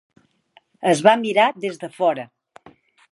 Es va mirar des de fora.